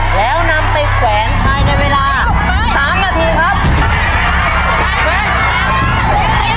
แล้วนำไปแขวนภายในเวลา๓นาทีครับ